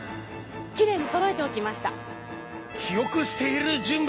きれいにそろえておきました。